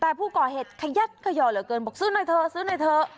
แต่ผู้ก่อเหตุขยักขยอเหลือเกินบอกซื้อหน่อยเถอะซื้อหน่อยเถอะ